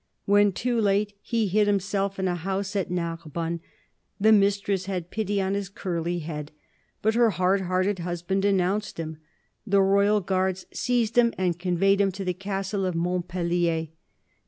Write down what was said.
When too late he hid himself in a house at Narbonne; the mistress had pity on his curly head, but her hard hearted husband denounced him ; the royal guards seized him and conveyed him to the castle of Montpellier.